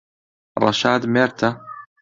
ڕەشاد مێردتە؟